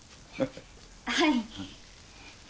はい。